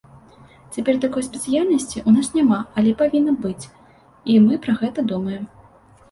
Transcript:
Цяпер такой спецыяльнасці ў нас няма, але павінна быць, і мы пра гэта думаем.